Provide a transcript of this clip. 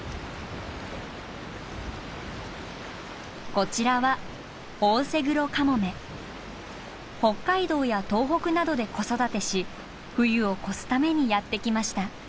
こちらは北海道や東北などで子育てし冬を越すためにやって来ました。